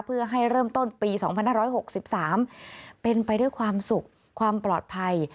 เพื่อให้เริ่มต้นปี๒๕๖๓เป็นไปด้วยความสุขความปลอดภัย